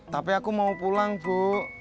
tapi aku mau pulang bu